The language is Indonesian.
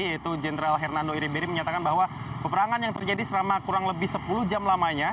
yaitu jenderal hernando iriberi menyatakan bahwa peperangan yang terjadi selama kurang lebih sepuluh jam lamanya